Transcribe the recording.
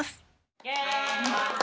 イェーイ！